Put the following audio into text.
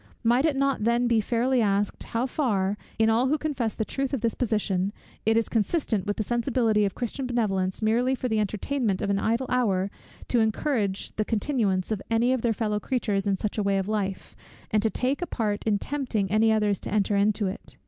Might it not then be fairly asked, how far, in all who confess the truth of this position, it is consistent with the sensibility of Christian benevolence, merely for the entertainment of an idle hour, to encourage the continuance of any of their fellow creatures in such a way of life, and to take a part in tempting any others to enter into it?